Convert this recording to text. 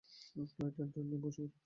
Flight অ্যাটেনডেন্টরা, বসে পড়ুন।